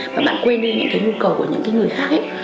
và bạn quên đi những cái nhu cầu của những người khác ấy